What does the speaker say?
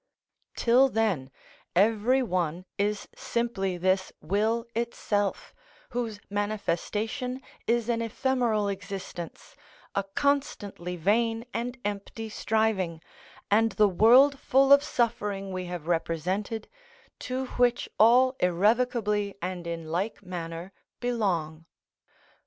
Till then, every one is simply this will itself, whose manifestation is an ephemeral existence, a constantly vain and empty striving, and the world full of suffering we have represented, to which all irrevocably and in like manner belong.